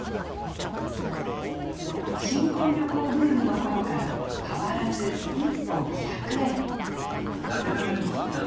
新婚旅行ブームの頃から変わらず１本１００円